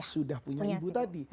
sudah punya ibu tadi